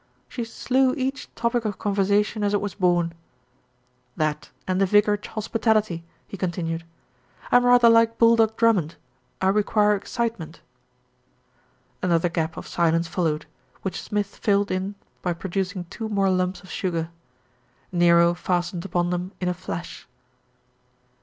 She slew each topic of conversation as it was born. "That and the vicarage hospitality," he continued. "I am rather like Bulldog Drummond, I require ex citement." Another gap of silence followed, which Smith filled in by producing two more lumps of sugar. Nero fastened upon them in a flash.